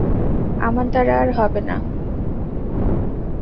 আমার দ্বারা আর হবে না।